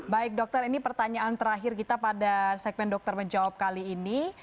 baik dokter ini pertanyaan terakhir kita pada segmen dokter menjawab kali ini